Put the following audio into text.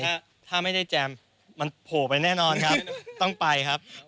ถ้าไม่ได้แจมมันโผล่ไปแน่นอนครับต้องไปครับ